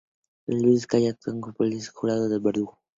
Los jueces de calle actúan como policía, juez, jurado y verdugo.